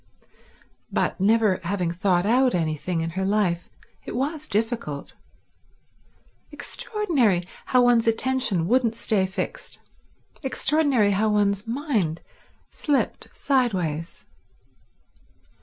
But, never having thought out anything in her life, it was difficult. Extraordinary how one's attention wouldn't stay fixed; extraordinary how one's mind slipped sideways.